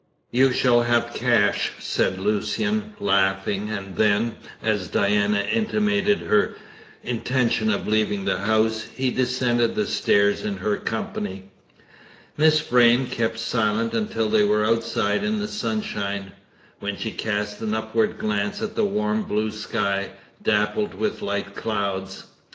"You shall have cash," said Lucian, laughing; and then, as Diana intimated her intention of leaving the house, he descended the stairs in her company. Miss Vrain kept silence until they were outside in the sunshine, when she cast an upward glance at the warm blue sky, dappled with light clouds.